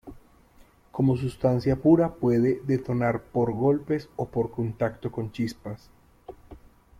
Como sustancia pura puede detonar por golpes o por contacto con chispas.